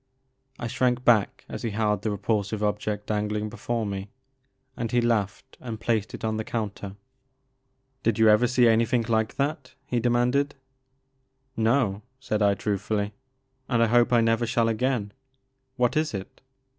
I shrank back as he held the repulsive object dangling before me, and he laughed and placed it on the counter. "Did you ever see an3rthing like that?" he demanded. No," said I truthftdly, '* and I hope I never shall again. What is it